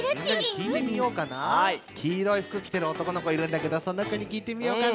きいろいふくきてるおとこのこいるんだけどそのこにきいてみようかな。